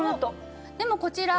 でもこちら